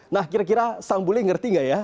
nah kira kira sang bully ngerti nggak ya